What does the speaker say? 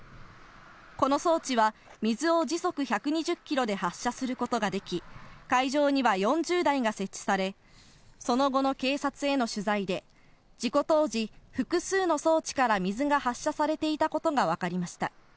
この装置は水を時速１２０キロで発射することができ、会場には４０台が設置され、その後の警察への取材で事故当時、複数の装置から水が発射されていたことがわかりました。